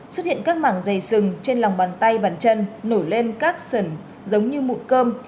xuất hiện các mảng dày sừng trên lòng bàn tay bàn chân nổi lên các sần giống như mụn cơm